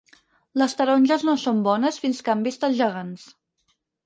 Les taronges no són bones fins que han vist els gegants.